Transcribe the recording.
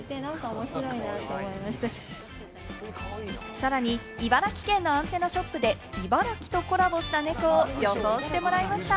さらに茨城県のアンテナショップで、茨城とコラボしたネコを予想してもらいました。